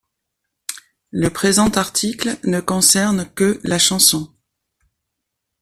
Le présent article ne concerne que la chanson.